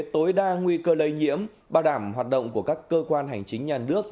tối đa nguy cơ lây nhiễm bảo đảm hoạt động của các cơ quan hành chính nhà nước